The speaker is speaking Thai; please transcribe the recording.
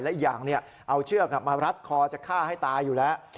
และอีกอย่างเอาเชือกมารัดคอจะฆ่าให้ตายอยู่แล้ว